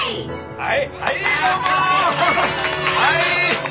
はい。